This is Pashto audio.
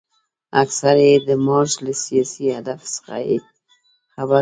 اکثره یې د مارش له سیاسي هدف څخه بې خبره وو.